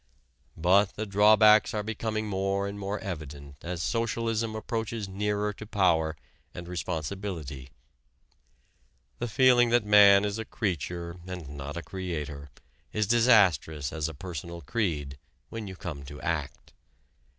But the drawbacks are becoming more and more evident as socialism approaches nearer to power and responsibility. The feeling that man is a creature and not a creator is disastrous as a personal creed when you come to act.